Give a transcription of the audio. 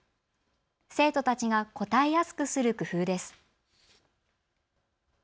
生徒たちが答えやすくする工夫です。